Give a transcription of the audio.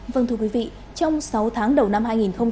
vâng thưa quý vị trong sáu tháng đầu năm hai nghìn hai mươi